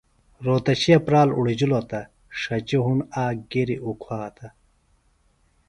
رھوتشِیہ پرال اڑِجِلوۡ تہ ݜچیۡ ہُنڈ آک غریۡ اُکھاتہ